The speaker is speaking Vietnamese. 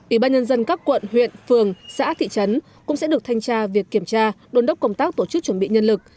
ủy ban nhân dân các quận huyện phường xã thị trấn cũng sẽ được thanh tra việc kiểm tra đồn đốc công tác tổ chức chuẩn bị nhân lực